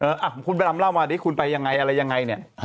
เออคุณไปรำเล่ามาอันนี้คุณไปอย่างไรอะไรอย่างไรนี่